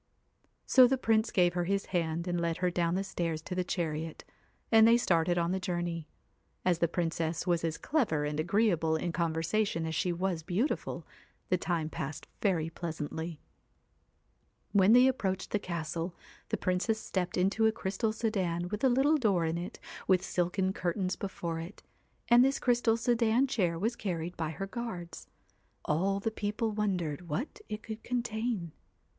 So the Prince gave her his hand and led her down the stairs to the chariot ; and they started on the journey. As the Princess was as clever and agree able in conversation as she was beautiful, the time passed very pleasantly. When they approached the castle, the Princess stepped into a crystal sedan with a little door in it with silken curtains before it, and this crystal sedan chair was carried by her guards. All the people wondered what it could contain.